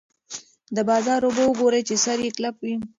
د بازار اوبه وګورئ چې سر یې کلک وي.